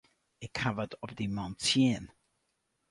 Ik haw wat op dy man tsjin.